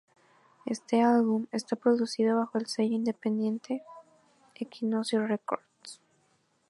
Este álbum está producido bajo el sello independiente Equinoccio Records.